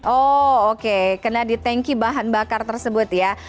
oh oke kena di tanki bahan bakar tersebut ya